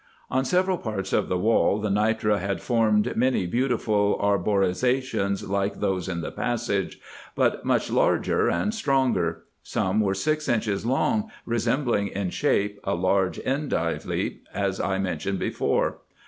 On several parts of the wall the nitre had formed many beautiful arborizations like those in the passage, but much larger and stronger. Some were six inches long, resembling in shape a large endive leaf, as I mentioned before.